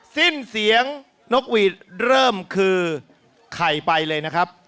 สิ้นเสียงนกหวีดเริ่มคือไข่ไปเลยนะครับ